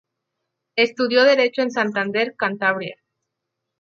Estudió Derecho en Santander, Cantabria.